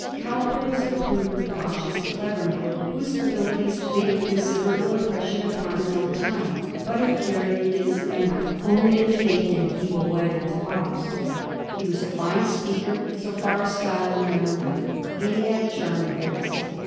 Cowper was a prudent, cautious, clever man, whose abilities made a considerable impression upon his own time, but have carried his memory only in a Digiti zed by Google 1714 LORD TOWNSHEND. 129 fidnt and feeble way on to ours. He was a fine speaker, so far as style and manner went, and he had a charming voice.